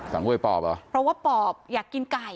เว้ยปอบเหรอเพราะว่าปอบอยากกินไก่